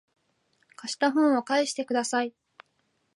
貸した本を返してください